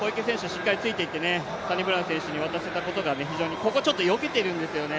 しっかりついていって、サニブラウン選手に渡せたことが、ここちょっとよけてるんですよね。